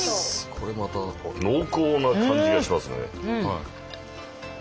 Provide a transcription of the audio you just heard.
これまた濃厚な感じがしますね。